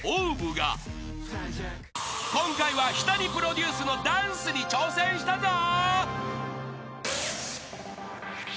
［今回は日谷プロデュースのダンスに挑戦したぞ］